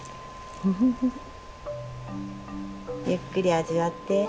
ゆっくり味わって。